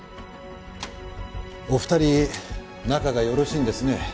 お二人仲がよろしいんですね。